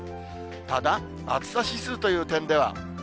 ただ、暑さ指数という点では。